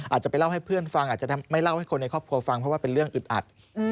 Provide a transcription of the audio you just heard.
อาจจะไปเล่าให้เพื่อนฟังอาจจะไม่เล่าให้คนในครอบครัวฟังเพราะว่าเป็นเรื่องอึดอัด